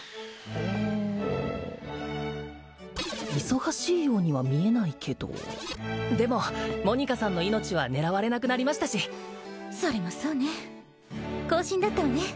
あ忙しいようには見えないけどでもモニカさんの命は狙われなくなりましたしそれもそうね更新だったわね